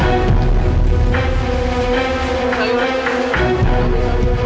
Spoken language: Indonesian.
saya mau buka jalan air